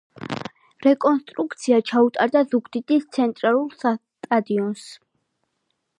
რეკონსტრუქცია ჩაუტარდა ზუგდიდის ცენტრალურ სტადიონს.